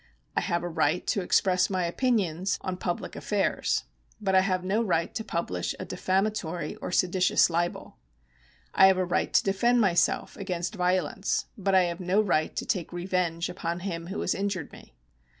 I have a right to express my opinions on § 75] LEGAL RIGHTS 191 public affairs, but I have no right to publish a defamatory or seditious libel. I have a right to defend myself against violence, but I have no right to take revenge upon him who has injured me.